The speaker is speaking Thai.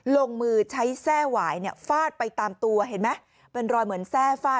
ลงมือใช้แทร่หวายเนี่ยฟาดไปตามตัวเห็นไหมเป็นรอยเหมือนแทร่ฟาด